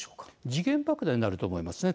時限爆弾になると思いますね。